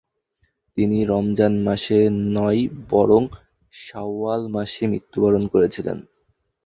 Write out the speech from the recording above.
তিনি রমজান মাসে নয়, বরং শাওয়াল মাসে মৃত্যুবরণ করেছিলেন।